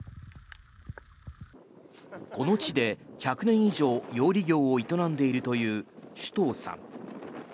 この地で１００年以上養鯉業を営んでいるという首藤さん。